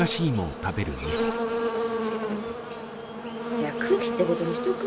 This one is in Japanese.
じゃあ空気ってことにしとく？